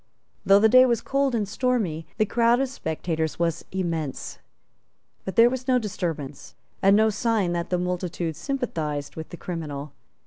Though the day was cold and stormy, the crowd of spectators was immense; but there was no disturbance, and no sign that the multitude sympathized with the criminal.